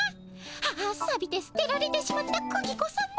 ああさびてすてられてしまったクギ子さま